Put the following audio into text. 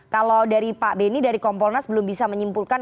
kalau dari pak beni dari kompolnas belum bisa menyimpulkan